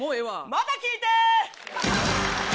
また聞いて！